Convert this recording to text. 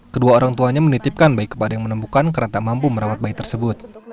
kedua orang tuanya menitipkan bayi kepada yang menemukan karena tak mampu merawat bayi tersebut